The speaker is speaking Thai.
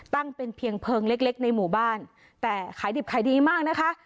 ตั้งเป็นเพียงเพลิงเล็กเล็กในหมู่บ้านแต่ขายดิบขายดีมากนะคะ